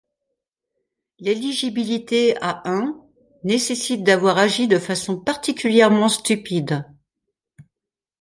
L'éligibilité à un nécessite d'avoir agi de façon particulièrement stupide.